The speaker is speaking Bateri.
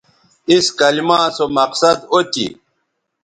اِس کلما سو مقصد او تھی